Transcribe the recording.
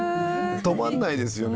止まんないですよね